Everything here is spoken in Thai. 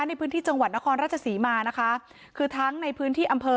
ในพื้นที่จังหวัดนครราชศรีมานะคะคือทั้งในพื้นที่อำเภอ